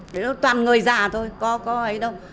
cái đó toàn người già thôi có ấy đâu